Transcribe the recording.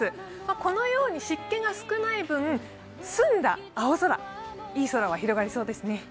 このように湿気が少ない分、澄んだ青空、いい青空が広がりそうですね。